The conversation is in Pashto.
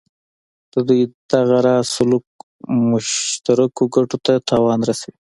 د دوی دغه راز سلوک مشترکو ګټو ته تاوان رسوي.